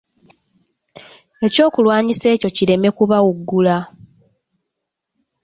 Ekyokulwanyisa ekyo kireme kubawugula.